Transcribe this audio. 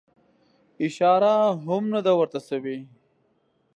اشاره هم نه ده ورته سوې.